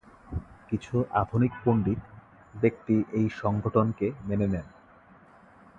কিছু আধুনিক পণ্ডিত ব্যক্তি এই সংগঠনকে মেনে নেন।